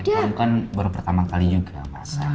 kamu kan baru pertama kali juga mas